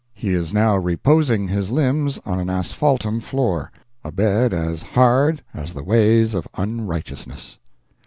He is now reposing his limbs on an asphaltum floor—a bed hard as the ways of unrighteousness.